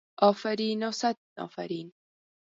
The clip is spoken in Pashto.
افرین و صد افرین.